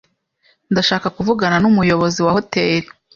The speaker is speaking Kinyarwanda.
Ndashaka kuvugana numuyobozi wa hoteri.